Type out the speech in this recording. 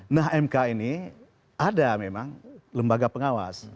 nah mk ini ada memang lembaga pengawas